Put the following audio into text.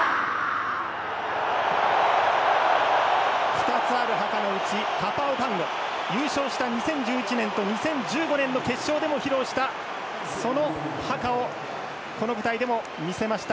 ２つあるハカのうち優勝した２０１１年と２０１５年の決勝でも披露したハカをこの舞台でも見せました。